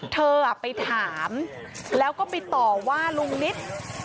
เธอไปถามแล้วก็ไปต่อว่าลุงนิต